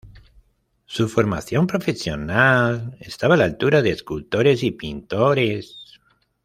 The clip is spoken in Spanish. Su formación profesional estaba a la altura de escultores y pintores.